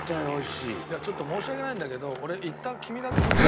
いやちょっと申し訳ないんだけど俺えっ何？